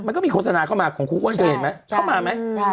มันก็มีโฆษณาเข้ามาของครูอ้วนเคยเห็นไหมเข้ามาไหม